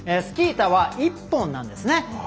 スキー板は１本なんですね。